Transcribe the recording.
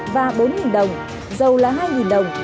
và bốn đồng dầu là hai đồng